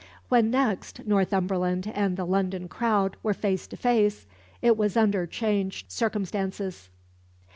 When next Northumberland and the London crowd were face to face it was under changed circumstances.